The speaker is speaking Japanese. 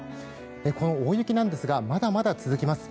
この大雪なんですがまだまだ続きます。